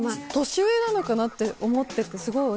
年上なのかなって思ってて。